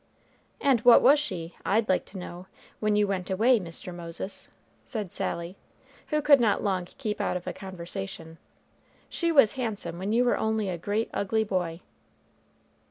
"And what was she, I'd like to know, when you went away, Mr. Moses?" said Sally, who could not long keep out of a conversation. "She was handsome when you were only a great ugly boy."